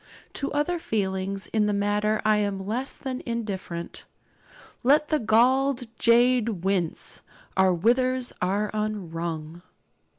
To other feelings in the matter I am less than indifferent. 'Let the galled jade wince, our withers are unwrung.'